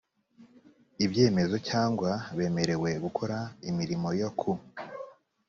ibyemezo cyangwa bemerewe gukora imirimo yo ku